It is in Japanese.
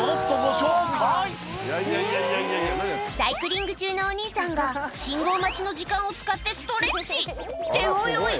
サイクリング中のお兄さんが信号待ちの時間を使ってストレッチっておいおい！